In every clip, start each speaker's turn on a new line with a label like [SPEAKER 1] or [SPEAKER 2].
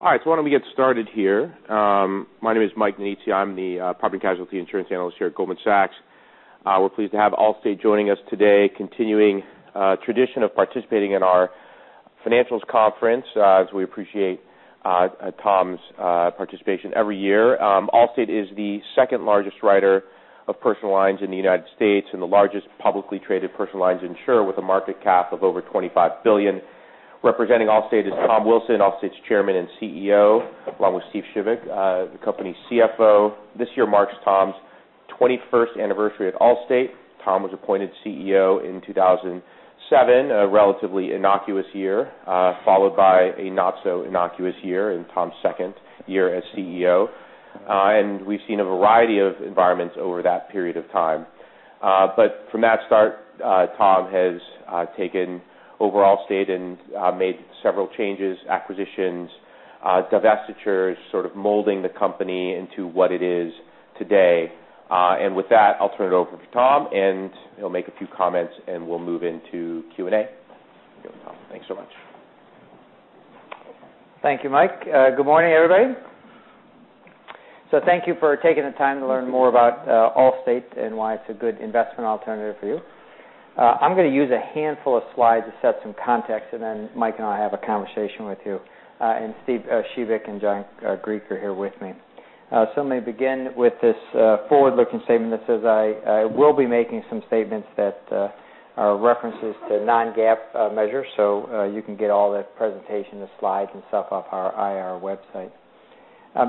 [SPEAKER 1] My name is Mike Zaremski. I'm the property casualty insurance analyst here at Goldman Sachs. We're pleased to have Allstate joining us today, continuing tradition of participating in our financials conference, as we appreciate Tom Wilson's participation every year. Allstate is the second largest writer of personal lines in the U.S. and the largest publicly traded personal lines insurer, with a market cap of over $25 billion. Representing Allstate is Tom Wilson, Allstate's chairman and CEO, along with Steve Shebik, the company's CFO. This year marks Tom Wilson's 21st anniversary at Allstate. Tom Wilson was appointed CEO in 2007, a relatively innocuous year, followed by a not so innocuous year in Tom Wilson's second year as CEO. We've seen a variety of environments over that period of time. From that start, Tom has taken Allstate and made several changes, acquisitions, divestitures, sort of molding the company into what it is today. With that, I'll turn it over to Tom, he'll make a few comments, we'll move into Q&A. Here we go, Tom. Thanks so much.
[SPEAKER 2] Thank you, Mike. Good morning, everybody. Thank you for taking the time to learn more about Allstate and why it's a good investment alternative for you. I'm going to use a handful of slides to set some context, then Mike and I will have a conversation with you. Steve Shebik and John Dugenske are here with me. Let me begin with this forward-looking statement that says I will be making some statements that are references to non-GAAP measures. You can get all that presentation, the slides and stuff, off our IR website.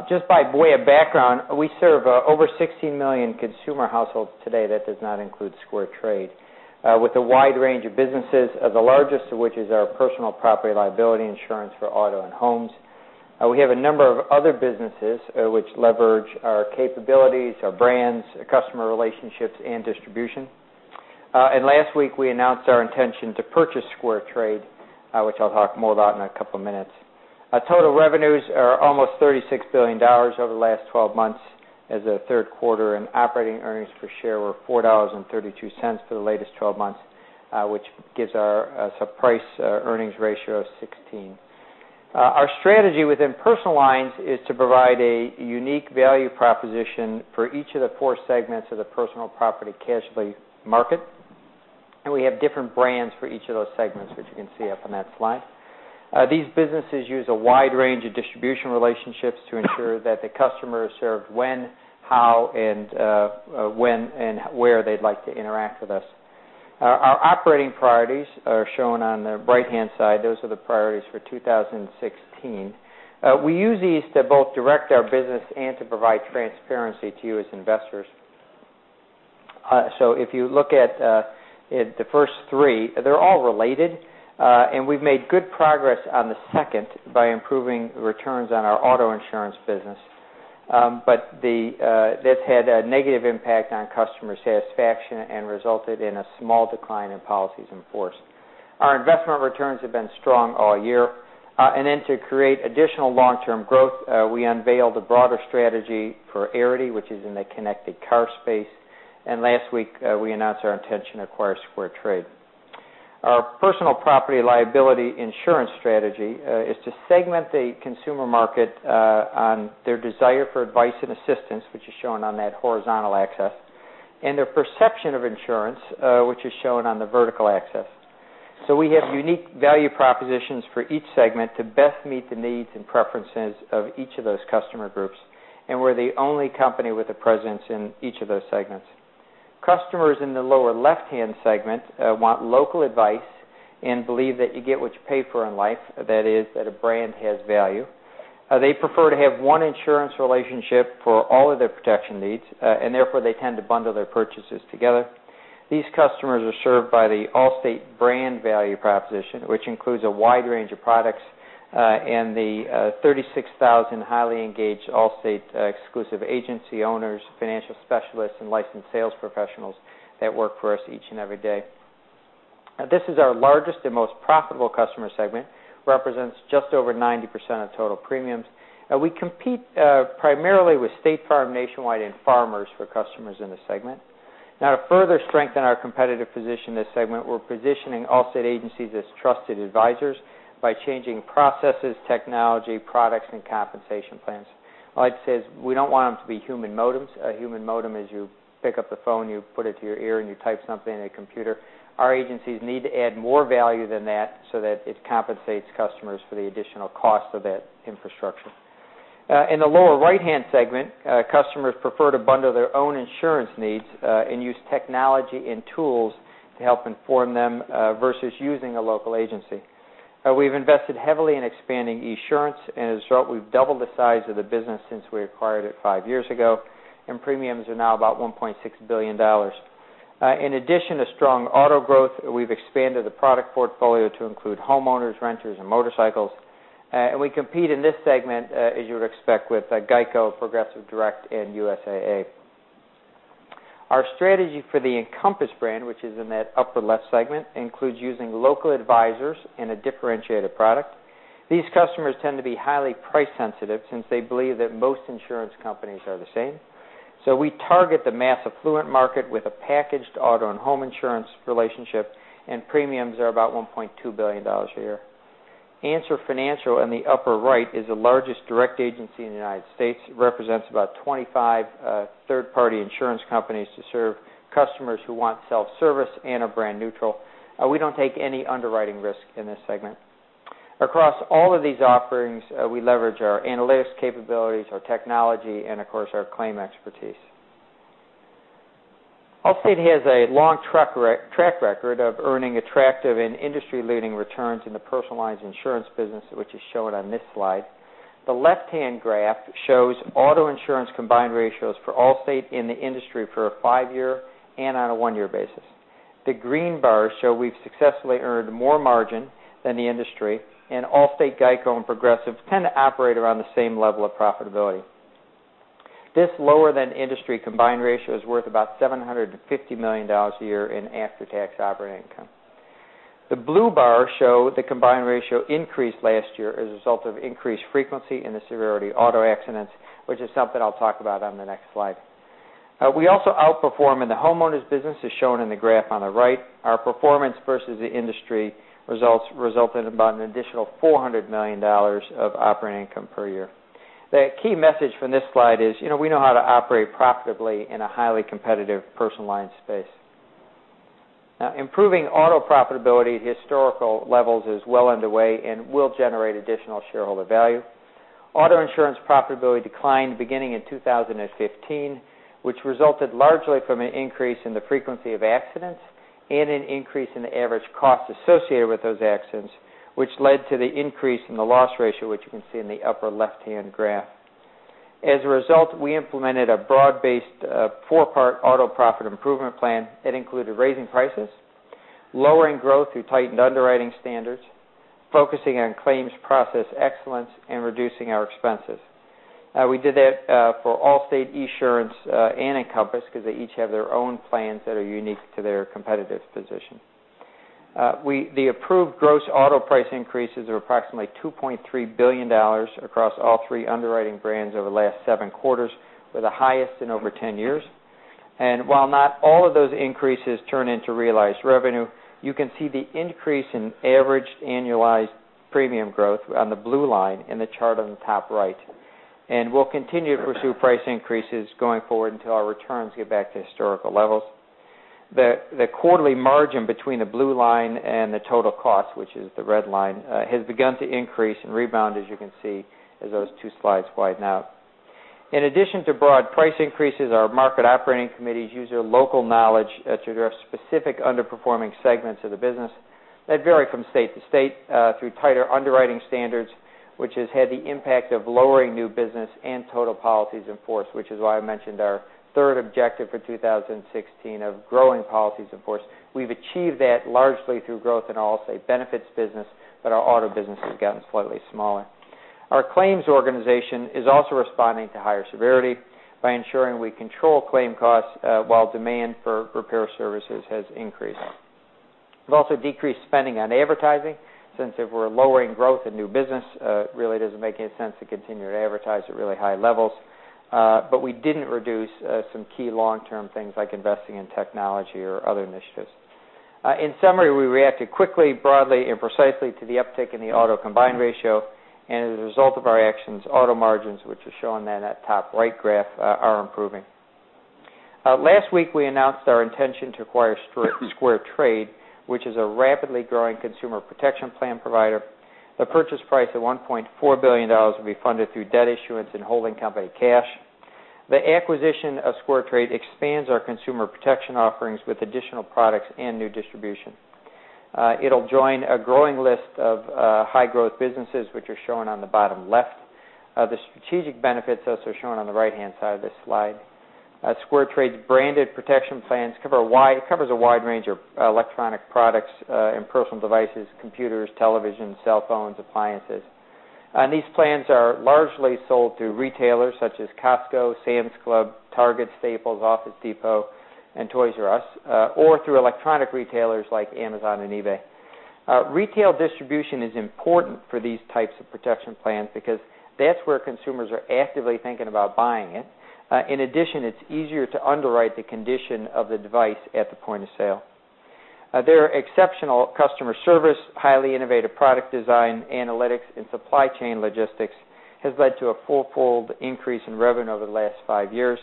[SPEAKER 2] Just by way of background, we serve over 60 million consumer households today. That does not include SquareTrade. With a wide range of businesses, the largest of which is our personal property liability insurance for auto and homes. We have a number of other businesses which leverage our capabilities, our brands, customer relationships, and distribution. Last week, we announced our intention to purchase SquareTrade, which I'll talk more about in a couple of minutes. Our total revenues are almost $36 billion over the last 12 months as of the third quarter. Operating Earnings Per Share were $4.32 for the latest 12 months, which gives us a Price-to-Earnings Ratio of 16. Our strategy within personal lines is to provide a unique value proposition for each of the four segments of the personal property casualty market. We have different brands for each of those segments, which you can see up on that slide. These businesses use a wide range of distribution relationships to ensure that the customer is served when, how, and where they'd like to interact with us. Our operating priorities are shown on the right-hand side. Those are the priorities for 2016. We use these to both direct our business and to provide transparency to you as investors. If you look at the first three, they're all related. We've made good progress on the second by improving returns on our auto insurance business. This had a negative impact on customer satisfaction and resulted in a small decline in policies in force. Our investment returns have been strong all year. To create additional long-term growth, we unveiled a broader strategy for Arity, which is in the connected car space. Last week, we announced our intention to acquire SquareTrade. Our personal property liability insurance strategy is to segment the consumer market on their desire for advice and assistance, which is shown on that horizontal axis, and their perception of insurance, which is shown on the vertical axis. We have unique value propositions for each segment to best meet the needs and preferences of each of those customer groups. We're the only company with a presence in each of those segments. Customers in the lower left-hand segment want local advice and believe that you get what you pay for in life, that is, that a brand has value. They prefer to have one insurance relationship for all of their protection needs, and therefore, they tend to bundle their purchases together. These customers are served by the Allstate brand value proposition, which includes a wide range of products and the 36,000 highly engaged Allstate exclusive agency owners, financial specialists, and licensed sales professionals that work for us each and every day. This is our largest and most profitable customer segment. Represents just over 90% of total premiums. We compete primarily with State Farm, Nationwide, and Farmers for customers in this segment. To further strengthen our competitive position in this segment, we're positioning Allstate agencies as trusted advisors by changing processes, technology, products, and compensation plans. Allstate says we don't want them to be human modems. A human modem is you pick up the phone, you put it to your ear, and you type something in a computer. Our agencies need to add more value than that so that it compensates customers for the additional cost of that infrastructure. In the lower right-hand segment, customers prefer to bundle their own insurance needs and use technology and tools to help inform them versus using a local agency. We've invested heavily in expanding Esurance, and as a result, we've doubled the size of the business since we acquired it five years ago, and premiums are now about $1.6 billion. In addition to strong auto growth, we've expanded the product portfolio to include homeowners, renters, and motorcycles. We compete in this segment, as you would expect, with GEICO, Progressive, Direct, and USAA. Our strategy for the Encompass brand, which is in that upper left segment, includes using local advisors in a differentiated product. These customers tend to be highly price sensitive since they believe that most insurance companies are the same. We target the mass affluent market with a packaged auto insurance and home insurance relationship, and premiums are about $1.2 billion a year. Answer Financial, in the upper right, is the largest direct agency in the U.S. It represents about 25 third-party insurance companies to serve customers who want self-service and are brand neutral. We don't take any underwriting risk in this segment. Across all of these offerings, we leverage our analytics capabilities, our technology, and of course, our claim expertise. Allstate has a long track record of earning attractive and industry-leading returns in the personal lines insurance business, which is shown on this slide. The left-hand graph shows auto insurance combined ratios for Allstate in the industry for a five-year and on a one-year basis. The green bars show we've successfully earned more margin than the industry, and Allstate, GEICO, and Progressive kind of operate around the same level of profitability. This lower than industry combined ratio is worth about $750 million a year in after-tax operating income. The blue bars show the combined ratio increased last year as a result of increased frequency in the severity of auto accidents, which is something I'll talk about on the next slide. We also outperform in the homeowners business, as shown in the graph on the right. Our performance versus the industry resulted in about an additional $400 million of operating income per year. The key message from this slide is we know how to operate profitably in a highly competitive personal lines space. Improving auto profitability at historical levels is well underway and will generate additional shareholder value. Auto insurance profitability declined beginning in 2015, which resulted largely from an increase in the frequency of accidents and an increase in the average cost associated with those accidents, which led to the increase in the loss ratio, which you can see in the upper left-hand graph. As a result, we implemented a broad-based four-part auto profit improvement plan. It included raising prices, lowering growth through tightened underwriting standards, focusing on claims process excellence, and reducing our expenses. We did that for Allstate, Esurance, and Encompass because they each have their own plans that are unique to their competitive position. The approved gross auto price increases are approximately $2.3 billion across all three underwriting brands over the last seven quarters, were the highest in over 10 years. While not all of those increases turn into realized revenue, you can see the increase in average annualized premium growth on the blue line in the chart on the top right. We'll continue to pursue price increases going forward until our returns get back to historical levels. The quarterly margin between the blue line and the total cost, which is the red line, has begun to increase and rebound, as you can see as those two slides widen out. In addition to broad price increases, our market operating committees use their local knowledge to address specific underperforming segments of the business that vary from state to state through tighter underwriting standards, which has had the impact of lowering new business and total policies in force, which is why I mentioned our third objective for 2016 of growing policies in force. We've achieved that largely through growth in Allstate Benefits business, but our auto business has gotten slightly smaller. Our claims organization is also responding to higher severity by ensuring we control claim costs while demand for repair services has increased. We've also decreased spending on advertising, since if we're lowering growth in new business, it really doesn't make any sense to continue to advertise at really high levels, but we didn't reduce some key long-term things like investing in technology or other initiatives. In summary, we reacted quickly, broadly, and precisely to the uptick in the auto combined ratio, and as a result of our actions, auto margins, which are shown there in that top right graph, are improving. Last week, we announced our intention to acquire SquareTrade, which is a rapidly growing consumer protection plan provider. The purchase price of $1.4 billion will be funded through debt issuance and holding company cash. The acquisition of SquareTrade expands our consumer protection offerings with additional products and new distribution. It'll join a growing list of high-growth businesses, which are shown on the bottom left. The strategic benefits of those are shown on the right-hand side of this slide. SquareTrade's branded protection plans covers a wide range of electronic products and personal devices, computers, televisions, cell phones, appliances. These plans are largely sold through retailers such as Costco, Sam's Club, Target, Staples, Office Depot, and Toys 'R' Us or through electronic retailers like Amazon and eBay. Retail distribution is important for these types of protection plans because that's where consumers are actively thinking about buying it. In addition, it's easier to underwrite the condition of the device at the point of sale. Their exceptional customer service, highly innovative product design, analytics, and supply chain logistics has led to a fourfold increase in revenue over the last five years.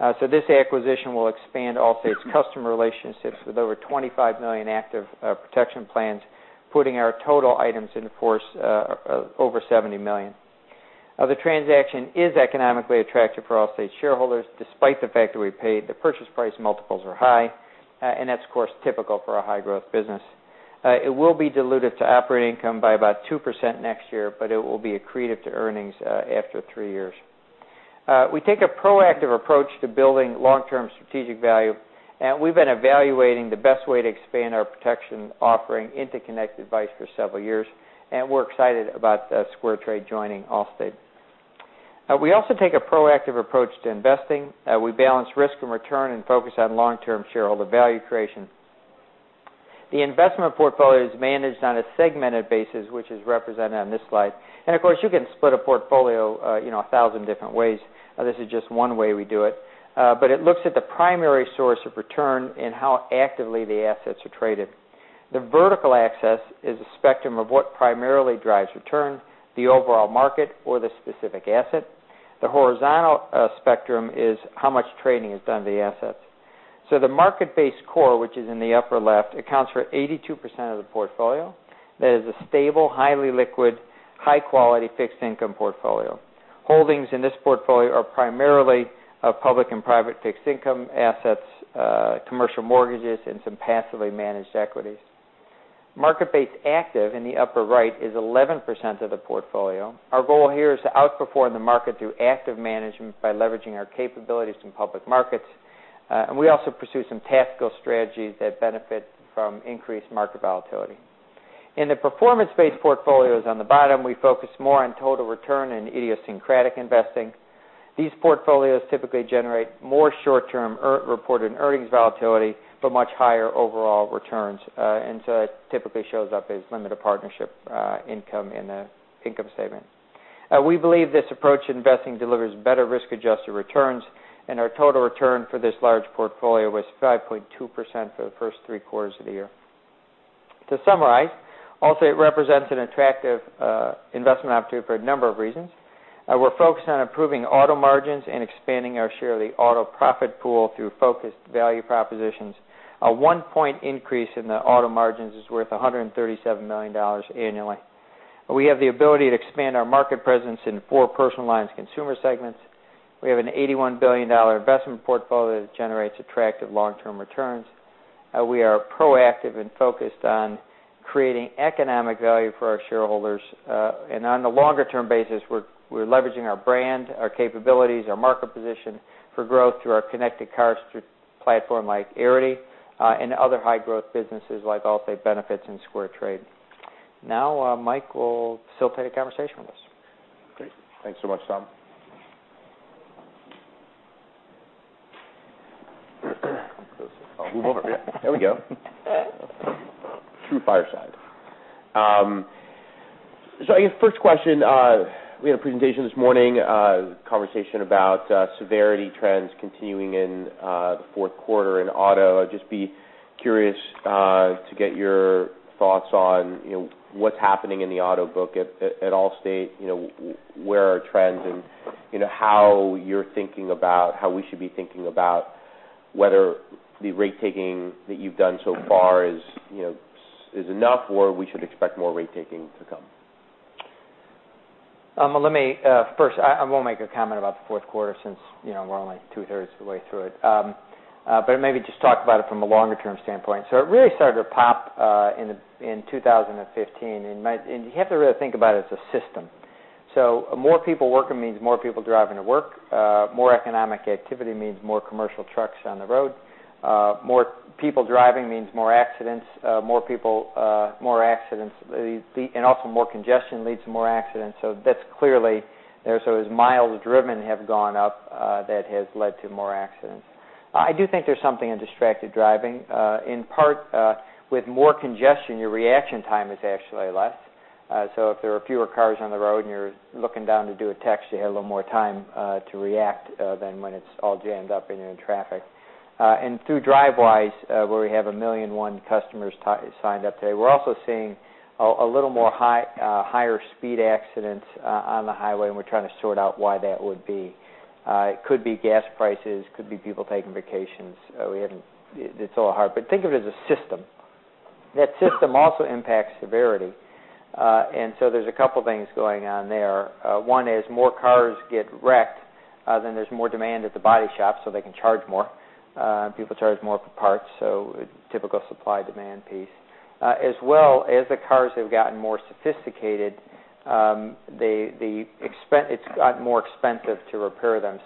[SPEAKER 2] This acquisition will expand Allstate's customer relationships with over 25 million active protection plans, putting our total items in force over 70 million. The transaction is economically attractive for Allstate shareholders, despite the fact that we paid the purchase price multiples are high, and that's of course typical for a high-growth business. It will be dilutive to operating income by about 2% next year, but it will be accretive to earnings after three years. We take a proactive approach to building long-term strategic value, and we've been evaluating the best way to expand our protection offering into connected device for several years. We're excited about SquareTrade joining Allstate. We also take a proactive approach to investing. We balance risk and return and focus on long-term shareholder value creation. The investment portfolio is managed on a segmented basis, which is represented on this slide. Of course, you can split a portfolio 1,000 different ways. This is just one way we do it. It looks at the primary source of return and how actively the assets are traded. The vertical axis is a spectrum of what primarily drives return, the overall market or the specific asset. The horizontal spectrum is how much trading is done of the assets. The market-based core, which is in the upper left, accounts for 82% of the portfolio. That is a stable, highly liquid, high-quality fixed income portfolio. Holdings in this portfolio are primarily public and private fixed income assets, commercial mortgages, and some passively managed equities. Market-based active in the upper right is 11% of the portfolio. Our goal here is to outperform the market through active management by leveraging our capabilities in public markets. We also pursue some tactical strategies that benefit from increased market volatility. In the performance-based portfolios on the bottom, we focus more on total return and idiosyncratic investing. These portfolios typically generate more short-term reported earnings volatility, but much higher overall returns. It typically shows up as limited partnership income in the income statement. We believe this approach to investing delivers better risk-adjusted returns, and our total return for this large portfolio was 5.2% for the first three quarters of the year. To summarize, Allstate represents an attractive investment opportunity for a number of reasons. We're focused on improving auto margins and expanding our share of the auto profit pool through focused value propositions. A one point increase in the auto margins is worth $137 million annually.
[SPEAKER 1] We have the ability to expand our market presence in four personal lines consumer segments. We have an $81 billion investment portfolio that generates attractive long-term returns. We are proactive and focused on creating economic value for our shareholders. And on a longer-term basis, we're leveraging our brand, our capabilities, our market position for growth through our connected cars through platform like Arity, and other high growth businesses like Allstate Benefits and Square Trade. Now, Mike will facilitate a conversation with us.
[SPEAKER 2] Great. Thanks so much, Tom. I'll move over. There we go. True fireside. So I guess first question, we had a presentation this morning, a conversation about severity trends continuing in the fourth quarter in auto. I'd just be curious to get your thoughts on what's happening in the auto book at Allstate, where are trends and how you're thinking about how we should be thinking about whether the rate taking that you've done so far is enough, or we should expect more rate taking to come. First, I won't make a comment about the fourth quarter since we're only two-thirds of the way through it. Maybe just talk about it from a longer-term standpoint. It really started to pop in 2015, you have to really think about it as a system. More people working means more people driving to work. More economic activity means more commercial trucks on the road. More people driving means more accidents. More accidents, and also more congestion leads to more accidents. That's clearly, as miles driven have gone up, that has led to more accidents. I do think there's something in distracted driving. In part, with more congestion, your reaction time is actually less. If there are fewer cars on the road and you're looking down to do a text, you have a little more time to react than when it's all jammed up and you're in traffic. Through Drivewise, where we have 1.1 million customers signed up today, we're also seeing a little more higher speed accidents on the highway, and we're trying to sort out why that would be. It could be gas prices, could be people taking vacations. It's a little hard. Think of it as a system. That system also impacts severity. There's a couple things going on there. One is more cars get wrecked, then there's more demand at the body shop, so they can charge more. People charge more for parts. A typical supply-demand piece. As well as the cars have gotten more sophisticated, it's gotten more expensive to repair them.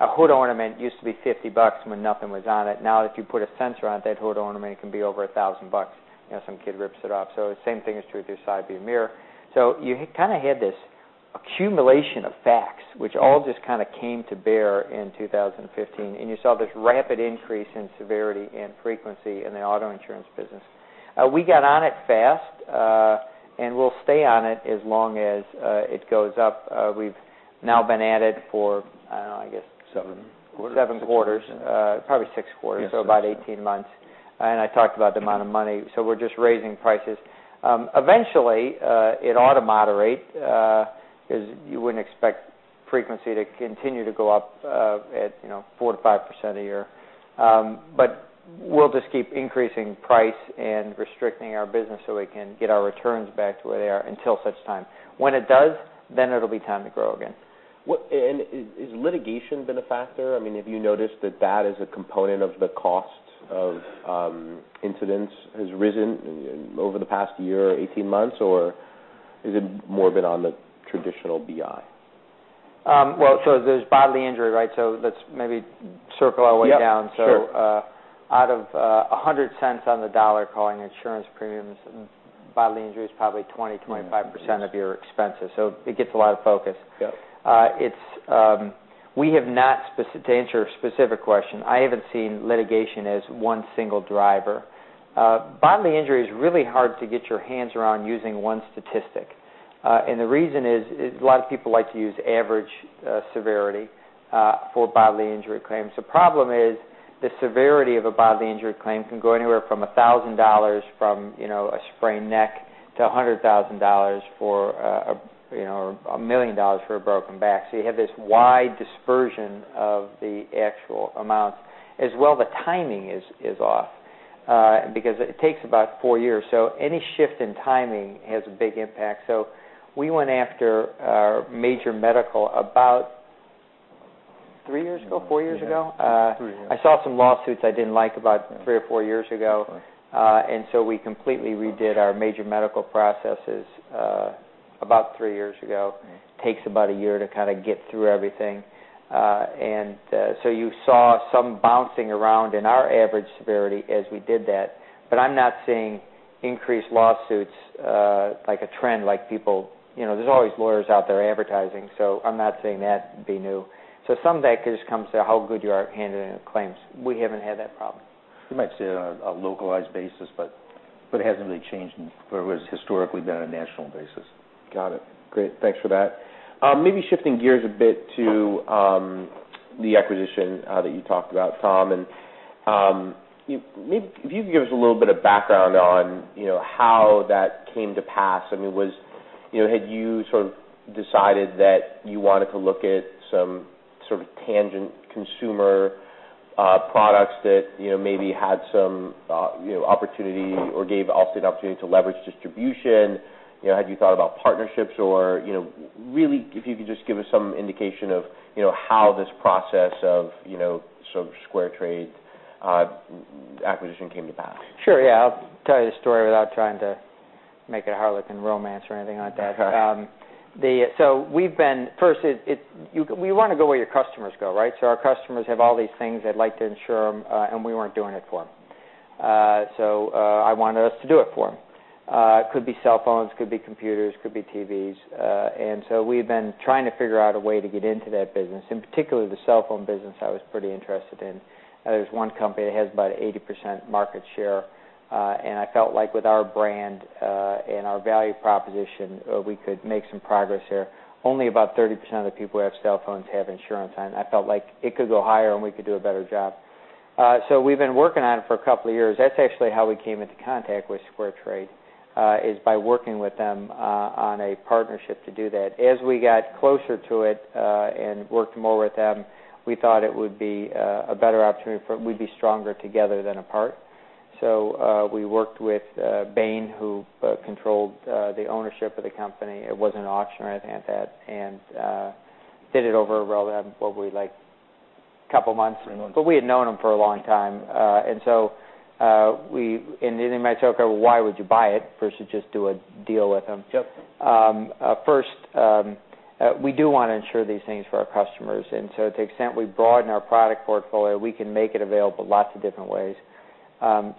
[SPEAKER 2] A hood ornament used to be $50 when nothing was on it. Now, if you put a sensor on it, that hood ornament can be over $1,000. Some kid rips it off. The same thing is true with your side view mirror. You kind of had this accumulation of facts, which all just kind of came to bear in 2015, and you saw this rapid increase in severity and frequency in the auto insurance business. We got on it fast, and we'll stay on it as long as it goes up. We've now been at it for, I guess-
[SPEAKER 3] Seven quarters.
[SPEAKER 2] seven quarters, probably six quarters.
[SPEAKER 3] Yes. About 18 months. I talked about the amount of money. We're just raising prices. Eventually, it ought to moderate, because you wouldn't expect frequency to continue to go up at 4%-5% a year. We'll just keep increasing price and restricting our business so we can get our returns back to where they are until such time. When it does, it'll be time to grow again.
[SPEAKER 1] Has litigation been a factor? Have you noticed that as a component of the cost of incidents has risen over the past year or 18 months, or has it more been on the traditional BI?
[SPEAKER 2] Well, there's bodily injury, right? Let's maybe circle our way down.
[SPEAKER 1] Yep, sure. Out of $1.00 on the dollar of insurance premiums, bodily injury is probably 20%-25% of your expenses. It gets a lot of focus. Yep.
[SPEAKER 2] To answer your specific question, I haven't seen litigation as one single driver. Bodily injury is really hard to get your hands around using one statistic. The reason is a lot of people like to use average severity for bodily injury claims. The problem is the severity of a bodily injury claim can go anywhere from $1,000 from a sprained neck to $100,000 or $1 million for a broken back. You have this wide dispersion of the actual amounts. As well, the timing is off because it takes about four years. Any shift in timing has a big impact. We went after major medical about three years ago, four years ago.
[SPEAKER 3] Yeah. Three years.
[SPEAKER 2] I saw some lawsuits I didn't like about three or four years ago. Right. We completely redid our major medical processes about three years ago.
[SPEAKER 1] Right.
[SPEAKER 2] Takes about a year to get through everything. You saw some bouncing around in our average severity as we did that, but I'm not seeing increased lawsuits like a trend. There's always lawyers out there advertising, so I'm not saying that be new. Some of that just comes to how good you are at handling claims. We haven't had that problem. You might see it on a localized basis, but it hasn't really changed from what it's historically been on a national basis. Got it. Great. Thanks for that. Maybe shifting gears a bit to the acquisition that you talked about, Tom, maybe if you could give us a little bit of background on how that came to pass. Had you decided that you wanted to look at some sort of tangent consumer products that maybe had some opportunity or gave Allstate an opportunity to leverage distribution? Had you thought about partnerships, or really, if you could just give us some indication of how this process of SquareTrade acquisition came to pass. Sure. Yeah. I'll tell you the story without trying to make it a Harlequin romance or anything like that. Okay. First, we want to go where your customers go, right? Our customers have all these things they'd like to insure, and we weren't doing it for them. I wanted us to do it for them. Could be cell phones, could be computers, could be TVs. We've been trying to figure out a way to get into that business, and particularly the cell phone business I was pretty interested in. I felt like with our brand and our value proposition, we could make some progress here. Only about 30% of the people who have cell phones have insurance, I felt like it could go higher, and we could do a better job. We've been working on it for a couple of years. That's actually how we came into contact with SquareTrade, is by working with them on a partnership to do that. We got closer to it and worked more with them, we thought it would be a better opportunity. We'd be stronger together than apart. We worked with Bain, who controlled the ownership of the company. It wasn't an auction or anything like that, and did it over, well, what were we like, a couple of months? Three months. We had known them for a long time. You might say, "Okay, why would you buy it versus just do a deal with them?" Yep. First, we do want to insure these things for our customers, and to the extent we broaden our product portfolio, we can make it available lots of different ways.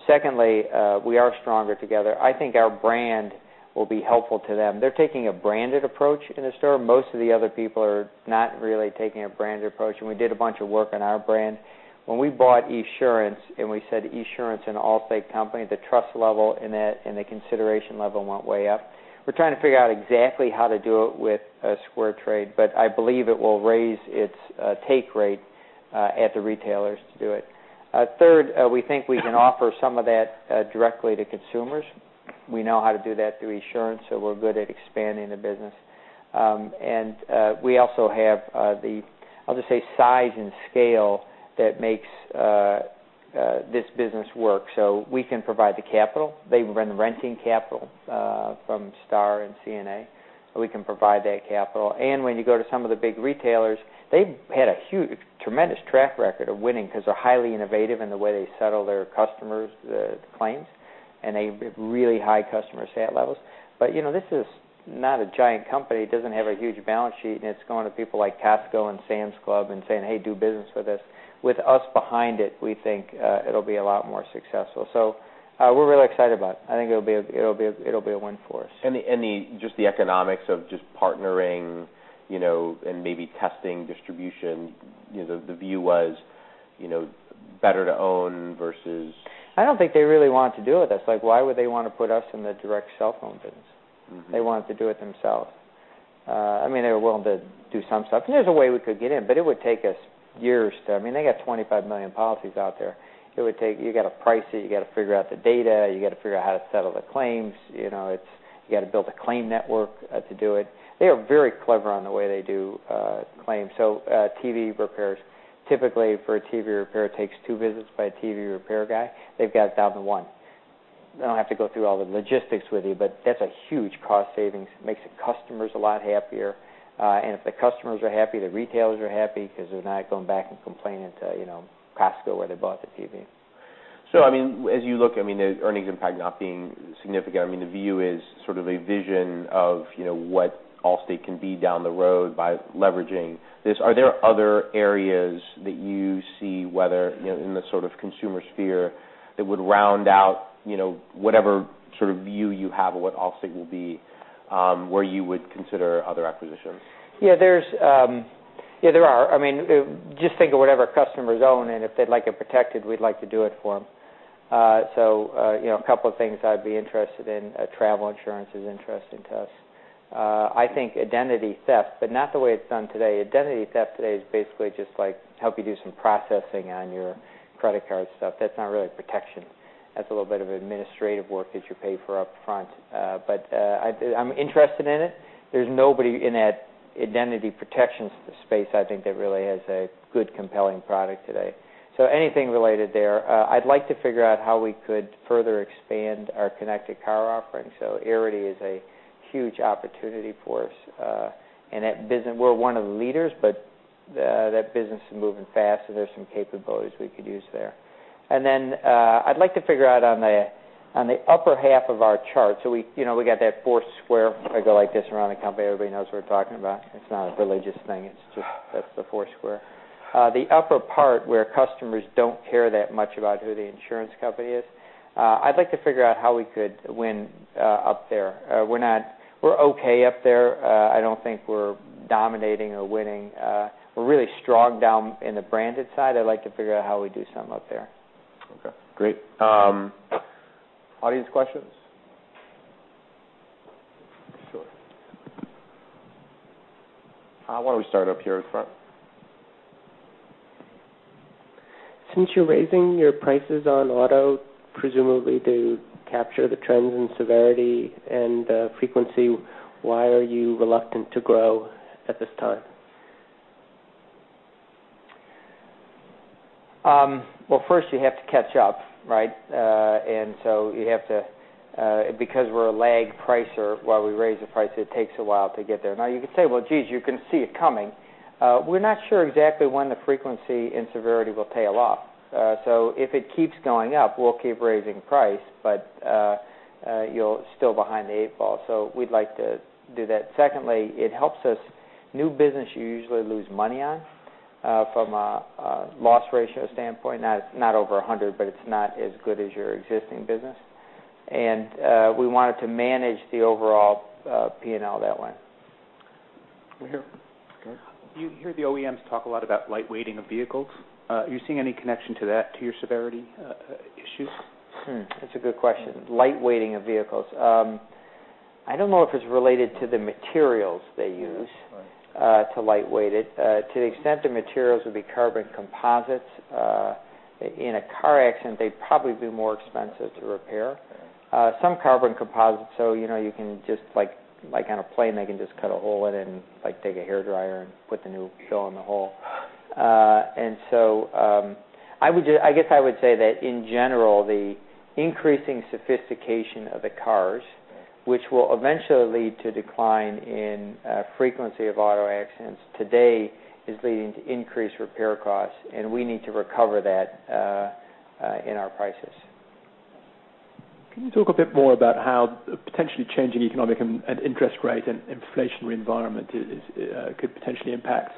[SPEAKER 2] Secondly, we are stronger together. I think our brand will be helpful to them. They're taking a branded approach in the store. Most of the other people are not really taking a branded approach, we did a bunch of work on our brand. When we bought Esurance and we said Esurance, an Allstate company, the trust level in it and the consideration level went way up. We're trying to figure out exactly how to do it with SquareTrade, I believe it will raise its take rate at the retailers to do it. Third, we think we can offer some of that directly to consumers. We know how to do that through Esurance, so we're good at expanding the business. We also have the, I'll just say, size and scale that makes this business work. We can provide the capital. They've been renting capital from Starr and CNA, so we can provide that capital. When you go to some of the big retailers, they've had a tremendous track record of winning because they're highly innovative in the way they settle their customers' claims, and they have really high customer sat levels. This is not a giant company. It doesn't have a huge balance sheet, it's going to people like Costco and Sam's Club and saying, "Hey, do business with us." With us behind it, we think it'll be a lot more successful. We're really excited about it. I think it'll be a win for us. Just the economics of just partnering, and maybe testing distribution, the view was better to own versus. I don't think they really wanted to do it. Why would they want to put us in the direct cell phone business? Mm-hmm. They wanted to do it themselves. They were willing to do some stuff, and there's a way we could get in, it would take us years. They got 25 million policies out there. You got to price it, you got to figure out the data, you got to figure out how to settle the claims. You got to build a claim network to do it. They are very clever on the way they do claims. TV repairs, typically for a TV repair, it takes two visits by a TV repair guy. They've got it down to one. I don't have to go through all the logistics with you, but that's a huge cost savings. Makes the customers a lot happier. If the customers are happy, the retailers are happy because they're not going back and complaining to Costco where they bought the TV. As you look, the earnings impact not being significant, the view is sort of a vision of what Allstate can be down the road by leveraging this. Are there other areas that you see, whether in the consumer sphere that would round out whatever view you have of what Allstate will be, where you would consider other acquisitions? Yeah, there are. Just think of whatever customers own, and if they'd like it protected, we'd like to do it for them. A couple of things I'd be interested in, travel insurance is interesting to us. I think identity theft, but not the way it's done today. Identity theft today is basically just like help you do some processing on your credit card stuff. That's not really protection. That's a little bit of administrative work that you pay for upfront. I'm interested in it. There's nobody in that identity protection space, I think, that really has a good, compelling product today. Anything related there. I'd like to figure out how we could further expand our connected car offering. Arity is a huge opportunity for us. We're one of the leaders, but that business is moving fast and there are some capabilities we could use there. I'd like to figure out on the upper half of our chart, so we got that four square. If I go like this around the company, everybody knows what we're talking about. It's not a religious thing, that's the four square. The upper part where customers don't care that much about who the insurance company is, I'd like to figure out how we could win up there. We're okay up there. I don't think we're dominating or winning. We're really strong down in the branded side. I'd like to figure out how we do something up there.
[SPEAKER 1] Okay, great. Audience questions? Sure. Why don't we start up here in front?
[SPEAKER 4] Since you're raising your prices on auto, presumably to capture the trends in severity and frequency, why are you reluctant to grow at this time?
[SPEAKER 2] First, you have to catch up, right? Because we're a lag pricer, while we raise the price, it takes a while to get there. You can say, "Geez, you can see it coming." We're not sure exactly when the frequency and severity will tail off. If it keeps going up, we'll keep raising price, but you're still behind the eight ball. We'd like to do that. Secondly, it helps us. New business you usually lose money on, from a loss ratio standpoint. Not over 100, but it's not as good as your existing business. We wanted to manage the overall P&L that way.
[SPEAKER 4] Over here. You hear the OEMs talk a lot about lightweighting of vehicles. Are you seeing any connection to that, to your severity issues?
[SPEAKER 2] That's a good question. Lightweighting of vehicles. I don't know if it's related to the materials they use to lightweight it. To the extent the materials would be carbon composites, in a car accident, they'd probably be more expensive to repair.
[SPEAKER 1] Okay.
[SPEAKER 2] Some carbon composites, so you can just, like on a plane, they can just cut a hole in it and take a hairdryer and put the new fill in the hole. I guess I would say that in general, the increasing sophistication of the cars, which will eventually lead to decline in frequency of auto accidents today, is leading to increased repair costs, and we need to recover that in our prices.
[SPEAKER 4] Can you talk a bit more about how potentially changing economic and interest rate and inflationary environment could potentially impact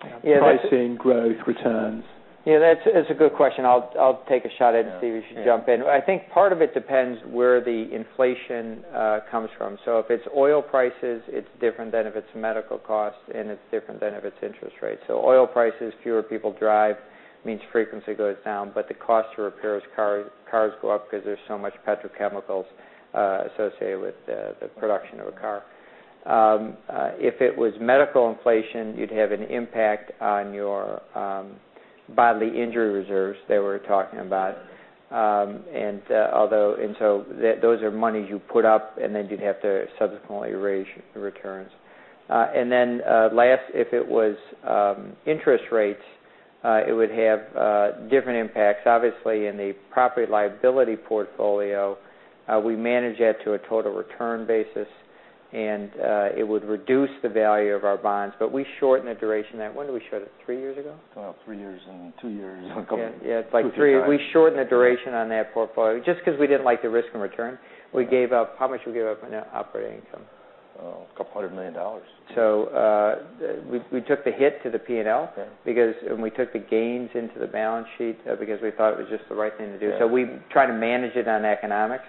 [SPEAKER 4] pricing, growth, returns?
[SPEAKER 2] Yeah, that's a good question. I'll take a shot at it and see if you should jump in. I think part of it depends where the inflation comes from. If it's oil prices, it's different than if it's medical costs, it's different than if it's interest rates. Oil prices, fewer people drive, means frequency goes down, but the cost to repair cars go up because there's so much petrochemicals associated with the production of a car. If it was medical inflation, you'd have an impact on your bodily injury reserves that we're talking about. Those are monies you put up, and then you'd have to subsequently raise the returns. Last, if it was interest rates, it would have different impacts. Obviously, in the property liability portfolio, we manage that to a total return basis, it would reduce the value of our bonds, we shorten the duration. When did we shorten it, three years ago?
[SPEAKER 3] About three years and two years.
[SPEAKER 2] Yeah. It's like three. We shortened the duration on that portfolio just because we didn't like the risk and return. How much did we give up on operating income?
[SPEAKER 3] A couple hundred million USD.
[SPEAKER 2] We took the hit to the P&L.
[SPEAKER 3] Okay.
[SPEAKER 2] When we took the gains into the balance sheet because we thought it was just the right thing to do.
[SPEAKER 3] Yeah.
[SPEAKER 2] We try to manage it on economics.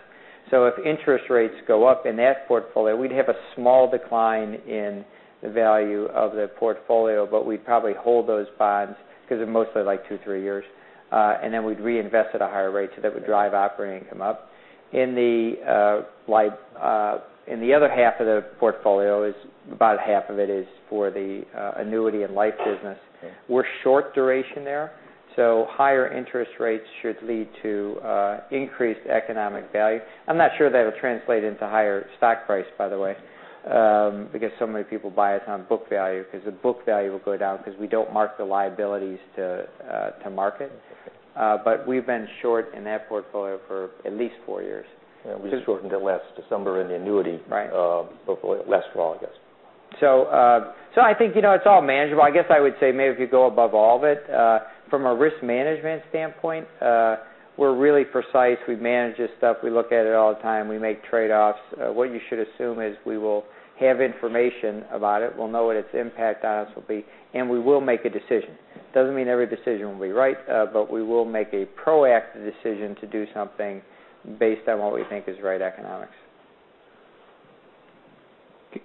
[SPEAKER 2] If interest rates go up in that portfolio, we'd have a small decline in the value of the portfolio, but we'd probably hold those bonds because they're mostly two, three years. Then we'd reinvest at a higher rate, that would drive operating income up. In the other half of the portfolio, about half of it is for the annuity and life business.
[SPEAKER 3] Okay. We're short duration there, higher interest rates should lead to increased economic value. I'm not sure that'll translate into higher stock price, by the way, because so many people buy it on book value, because the book value will go down because we don't mark the liabilities to market. We've been short in that portfolio for at least four years. Yeah, we shortened it last December in the annuity-
[SPEAKER 2] Right
[SPEAKER 3] portfolio. Last fall, I guess.
[SPEAKER 2] I think it's all manageable. I guess I would say maybe if you go above all of it, from a risk management standpoint, we're really precise. We manage this stuff. We look at it all the time. We make trade-offs. What you should assume is we will have information about it. We'll know what its impact on us will be, and we will make a decision. Doesn't mean every decision will be right, but we will make a proactive decision to do something based on what we think is right economics.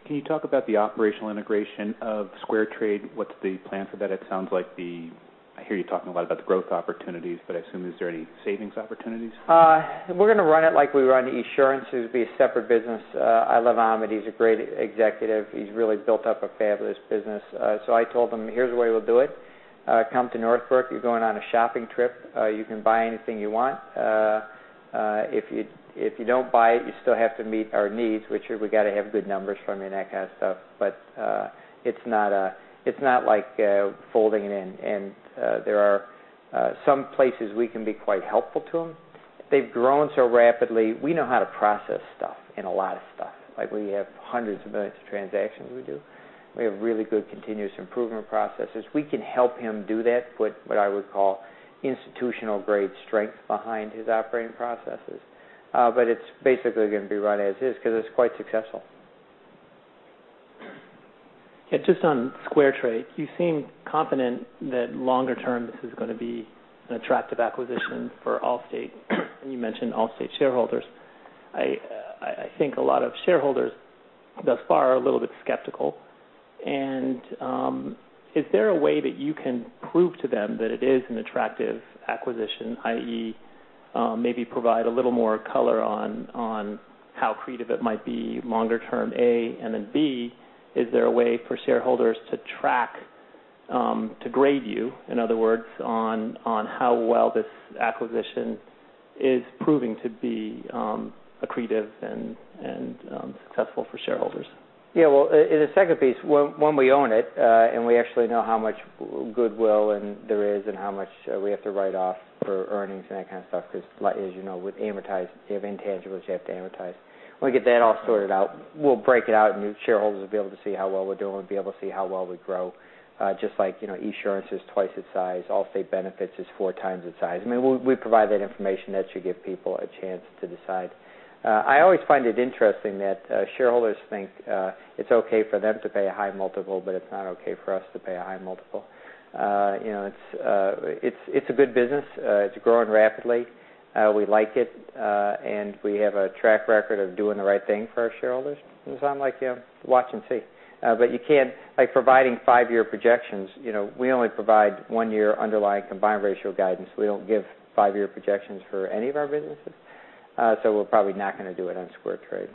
[SPEAKER 1] Can you talk about the operational integration of SquareTrade? What's the plan for that? I hear you talking a lot about the growth opportunities, I assume, is there any savings opportunities?
[SPEAKER 2] We're going to run it like we run Esurance. It'll be a separate business. I love Amit. He's a great executive. He's really built up a fabulous business. I told him, "Here's the way we'll do it. Come to Northbrook. You're going on a shopping trip. You can buy anything you want. If you don't buy it, you still have to meet our needs, which are we got to have good numbers from you and that kind of stuff." It's not like folding it in. There are some places we can be quite helpful to them. They've grown so rapidly. We know how to process stuff in a lot of stuff. We have hundreds of millions of transactions we do. We have really good continuous improvement processes. We can help him do that, put what I would call institutional-grade strength behind his operating processes. It's basically going to be run as is because it's quite successful.
[SPEAKER 4] Just on SquareTrade, you seem confident that longer term, this is going to be an attractive acquisition for Allstate. You mentioned Allstate shareholders. I think a lot of shareholders thus far are a little bit skeptical. Is there a way that you can prove to them that it is an attractive acquisition, i.e., maybe provide a little more color on how creative it might be longer term, A? B, is there a way for shareholders to track, to grade you, in other words, on how well this acquisition is proving to be accretive and successful for shareholders?
[SPEAKER 2] Yeah. Well, in the second piece, when we own it and we actually know how much goodwill there is and how much we have to write off for earnings and that kind of stuff, because as you know, with amortized, you have intangibles you have to amortize. When we get that all sorted out, we'll break it out and shareholders will be able to see how well we're doing, be able to see how well we grow. Just like Esurance is twice its size, Allstate Benefits is four times its size. We provide that information that should give people a chance to decide. I always find it interesting that shareholders think it's okay for them to pay a high multiple, but it's not okay for us to pay a high multiple. It's a good business. It's growing rapidly. We like it. We have a track record of doing the right thing for our shareholders. It sound like watch and see. You can't like providing five-year projections. We only provide one year underlying combined ratio guidance. We don't give five-year projections for any of our businesses. We're probably not going to do it on SquareTrade.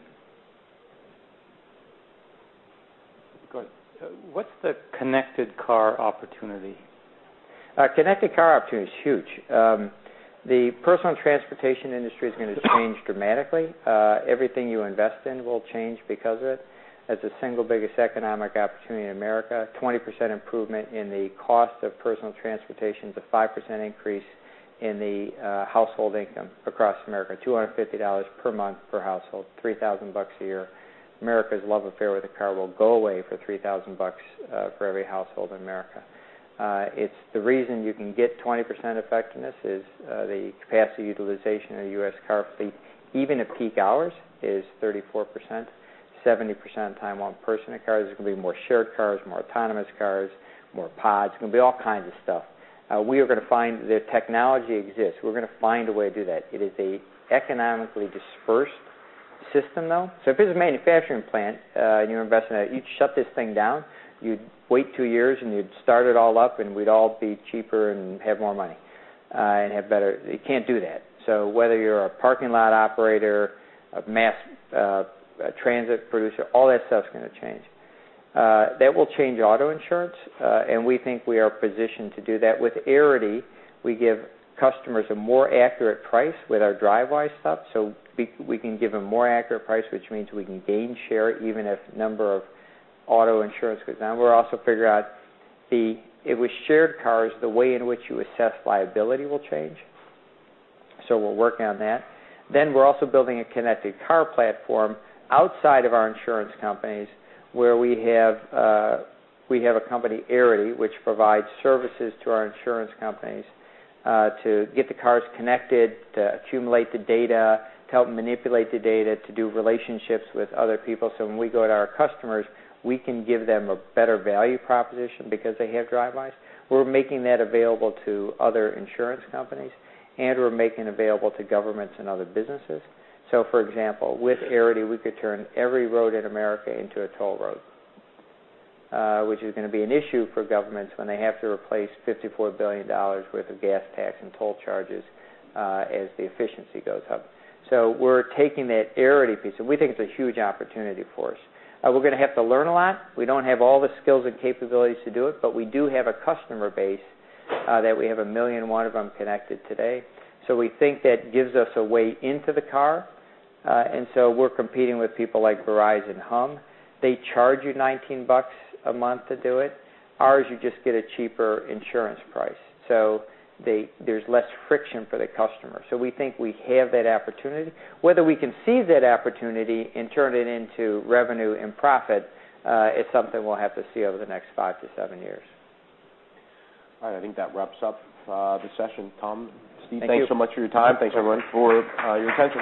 [SPEAKER 1] Go ahead. What's the connected car opportunity?
[SPEAKER 2] Connected car opportunity is huge. The personal transportation industry is going to change dramatically. Everything you invest in will change because of it. That's the single biggest economic opportunity in America. 20% improvement in the cost of personal transportation is a 5% increase in the household income across America, $250 per month per household, $3,000 a year. America's love affair with the car will go away for $3,000 for every household in America. It's the reason you can get 20% effectiveness is the capacity utilization of the U.S. car fleet, even at peak hours, is 34%, 70% of the time on personal cars. There's going to be more shared cars, more autonomous cars, more pods. It's going to be all kinds of stuff. The technology exists. We're going to find a way to do that. It is an economically dispersed system, though. If it's a manufacturing plant and you invest in that, you'd shut this thing down, you'd wait 2 years, and you'd start it all up, and we'd all be cheaper and have more money. You can't do that. Whether you're a parking lot operator, a mass transit producer, all that stuff's going to change. That will change auto insurance, and we think we are positioned to do that. With Arity, we give customers a more accurate price with our Drivewise stuff. We can give a more accurate price, which means we can gain share even if the number of auto insurance goes down. We're also figuring out if with shared cars, the way in which you assess liability will change. We're working on that. We're also building a connected car platform outside of our insurance companies where we have a company, Arity, which provides services to our insurance companies to get the cars connected, to accumulate the data, to help manipulate the data, to do relationships with other people. When we go to our customers, we can give them a better value proposition because they have Drivewise. We're making that available to other insurance companies, and we're making it available to governments and other businesses. For example, with Arity, we could turn every road in America into a toll road, which is going to be an issue for governments when they have to replace $54 billion worth of gas tax and toll charges as the efficiency goes up. We're taking that Arity piece, and we think it's a huge opportunity for us. We're going to have to learn a lot. We don't have all the skills and capabilities to do it, but we do have a customer base that we have 1 million, one of them connected today. We think that gives us a way into the car. We're competing with people like Verizon Hum. They charge you $19 a month to do it. Ours, you just get a cheaper insurance price. There's less friction for the customer. We think we have that opportunity. Whether we can seize that opportunity and turn it into revenue and profit, it's something we'll have to see over the next 5 to 7 years.
[SPEAKER 1] All right. I think that wraps up the session. Tom, Mario, thanks so much for your time.
[SPEAKER 2] Thanks, everyone, for your attention.